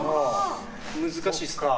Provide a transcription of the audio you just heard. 難しいっすね。